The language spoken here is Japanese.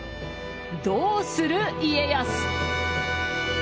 どうする家康。